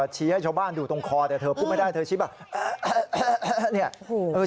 ชี้ให้ชาวบ้านดูตรงคอเดี๋ยวเธอพูดไม่ได้เธอชิบแบบ